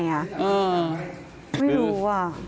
ไม่รู้อ่ะ